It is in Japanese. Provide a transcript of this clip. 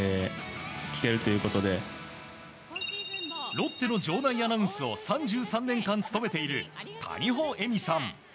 ロッテの場内アナウンスを３３年間務めている谷保恵美さん。